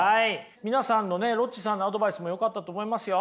皆さんのねロッチさんのアドバイスもよかったと思いますよ。